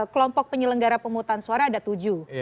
kelompok penyelenggara pemutahan suara ada tujuh